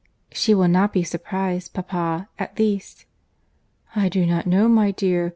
"She will not be surprized, papa, at least." "I do not know, my dear.